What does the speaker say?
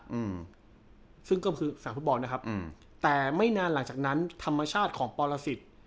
อืมซึ่งก็คือสนามฟุตบอลนะครับอืมแต่ไม่นานหลังจากนั้นธรรมชาติของปรสิทธิ์